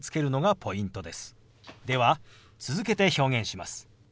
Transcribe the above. では続けて表現します。